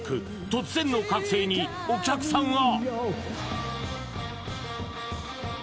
突然の覚醒にお客さんは？